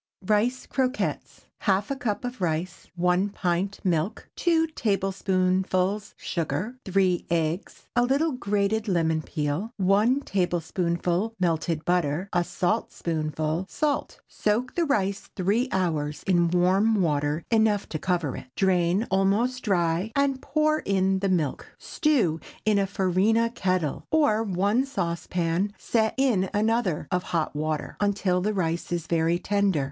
RICE CROQUETTES. ✠ Half a cup of rice. 1 pint milk. 2 tablespoonfuls sugar. 3 eggs. A little grated lemon peel. 1 tablespoonful melted butter. A saltspoonful salt. Soak the rice three hours in warm water enough to cover it. Drain almost dry, and pour in the milk. Stew in a farina kettle, or one saucepan set in another of hot water, until the rice is very tender.